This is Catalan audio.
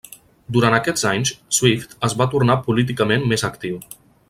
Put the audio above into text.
Durant aquests anys Swift es va tornar políticament més actiu.